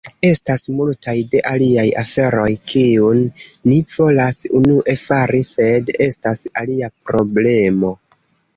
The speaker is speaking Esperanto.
Estas multaj de aliaj aferoj kiun ni volas unue fari, sed estas alia problemo.